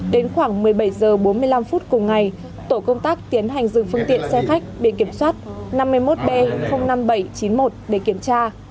đến khoảng một mươi bảy h bốn mươi năm phút cùng ngày tổ công tác tiến hành dừng phương tiện xe khách bị kiểm soát năm mươi một b năm nghìn bảy trăm chín mươi một để kiểm tra